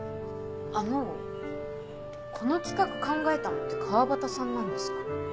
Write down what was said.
あのこの企画考えたのって川端さんなんですか？